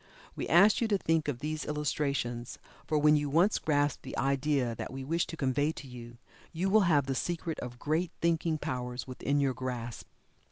We ask you to think of these illustrations, for when you once grasp the idea that we wish to convey to you, you will have the secret of great thinking powers within your grasp.